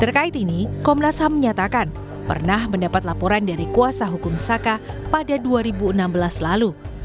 terkait ini komnas ham menyatakan pernah mendapat laporan dari kuasa hukum saka pada dua ribu enam belas lalu